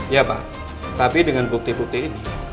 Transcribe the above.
ya pak tapi dengan bukti bukti ini